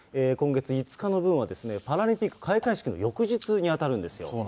今月５日の分は、パラリンピック開会式の翌日に当たるんですよ。